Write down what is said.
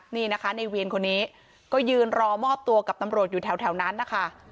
นี่นะคะในเวียนคนนี้ก็ยืนรอมอบตัวกับตำรวจอยู่แถวนั้นนะคะ